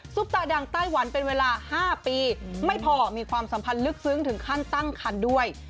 ตาดังไต้หวันเป็นเวลา๕ปีไม่พอมีความสัมพันธ์ลึกซึ้งถึงขั้นตั้งคันด้วย